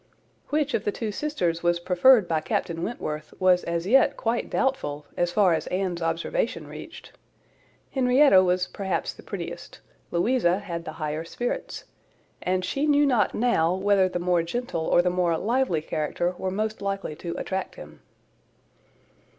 Which of the two sisters was preferred by Captain Wentworth was as yet quite doubtful, as far as Anne's observation reached. Henrietta was perhaps the prettiest, Louisa had the higher spirits; and she knew not now, whether the more gentle or the more lively character were most likely to attract him.